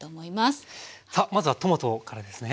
さあまずはトマトからですね。